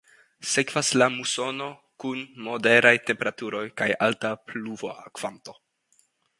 Sekvas la musono kun moderaj temperaturoj kaj alta pluvokvanto.